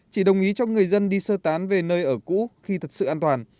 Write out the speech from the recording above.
chỉ đồng ý cho người dân đi sơ tán về nơi ở cũ khi thật sự an toàn